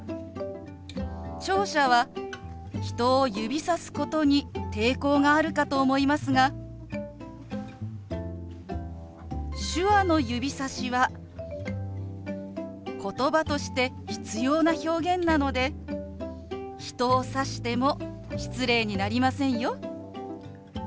聴者は人を指さすことに抵抗があるかと思いますが手話の指さしはことばとして必要な表現なので人を指しても失礼になりませんよ。